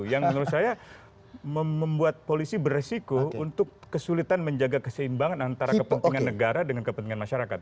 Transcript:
yang menurut saya membuat polisi beresiko untuk kesulitan menjaga keseimbangan antara kepentingan negara dengan kepentingan masyarakat